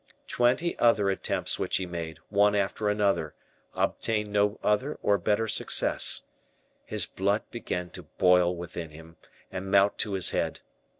Twenty other attempts which he made, one after another, obtained no other or better success. His blood began to boil within him, and mount to his head.